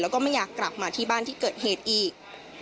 แล้วก็ไม่อยากกลับมาที่บ้านที่เกิดเหตุอีก